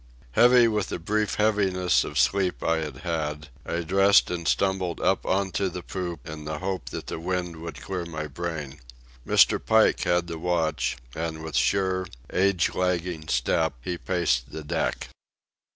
Heavy with the brief heaviness of sleep I had had, I dressed and stumbled up on to the poop in the hope that the wind would clear my brain. Mr. Pike had the watch, and with sure, age lagging step he paced the deck.